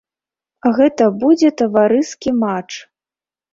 Гэта будзе таварыскі матч.